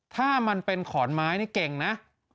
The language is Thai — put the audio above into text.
ถ้ามันเป็นขอนไม้นี่เก่งนะ